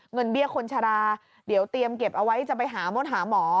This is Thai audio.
เบี้ยคนชราเดี๋ยวเตรียมเก็บเอาไว้จะไปหามดหาหมอ